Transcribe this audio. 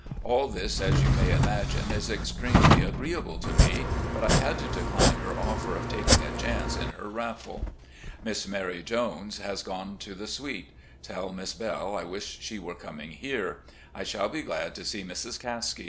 All this, as you may imagine, is extremely agreeable to me, but I had to decline her offer of taking a chance in her raffle. "Miss Mary Jones has gone to the Sweet. Tell Miss Belle I wish she were coming here. I shall be glad to see Mrs. Caskie.